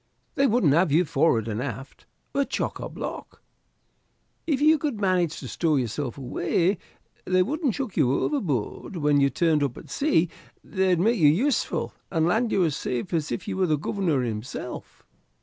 They wouldn't have you forward, and aft we're chock a block. If you could manage to stow yourself away they wouldn't chuck you overboard when you turned up at sea; they'd make you useful and land you as safe as if you was the Governor himself."